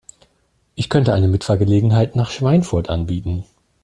Ich könnte eine Mitfahrgelegenheit nach Schweinfurt anbieten